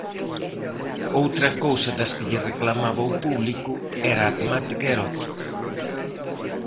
Outra cousa das que lle reclamaba o público era a temática erótica.